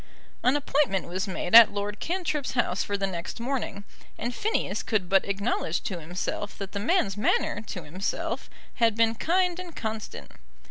An appointment was made at Lord Cantrip's house for the next morning, and Phineas could but acknowledge to himself that the man's manner to himself had been kind and constant.